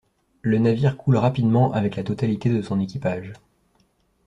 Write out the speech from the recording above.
Le navire coule rapidement avec la totalité de son équipage.